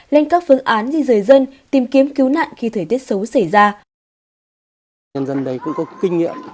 lên các phương án gì giới dân tìm kiếm cứu nạn khi thời tiết xấu xảy ra